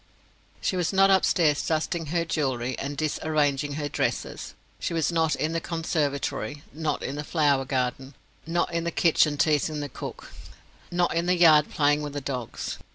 She was not upstairs dusting her jewelry and disarranging her dresses. She was not in the conservatory, not in the flower garden; not in the kitchen teasing the cook; not in the yard playing with the dogs.